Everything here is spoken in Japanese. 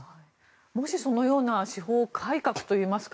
もしそのような司法改革といいますか